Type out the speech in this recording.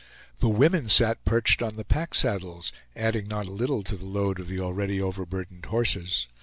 The women sat perched on the pack saddles, adding not a little to the load of the already overburdened horses.